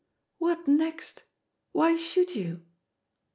"What next? Why should you?"